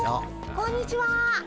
こんにちは。